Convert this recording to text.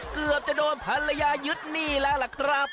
เกือบจะโดนภรรยายึดหนี้แล้วล่ะครับ